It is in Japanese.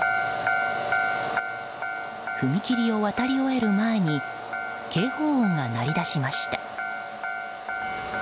踏切を渡り終える前に警報音が鳴り出しました。